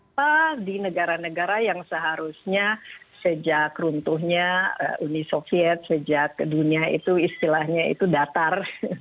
apa di negara negara yang seharusnya sejak runtuhnya uni soviet sejak dunia itu istilahnya itu datar